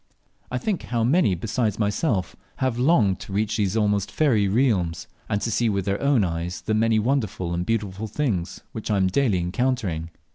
I think how many besides my self have longed to reach these almost fairy realms, and to see with their own eyes the many wonderful and beautiful things which I am daily encountering.